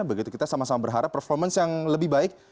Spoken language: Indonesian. begitu kita sama sama berharap performance yang lebih baik